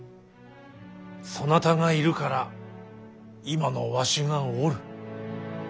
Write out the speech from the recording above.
そなたがいるから今のわしがおる。